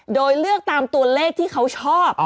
โดยเลือกตามตัวเลขที่เขาชอบ